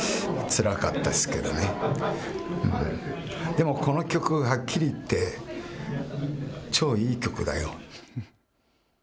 でも、この曲はっきり言って超いい曲だよ。